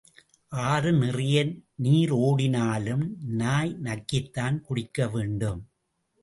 ஆறு நிறைய நீர் ஓடினாலும் நாய் நக்கித்தான் குடிக்க வேண்டும்.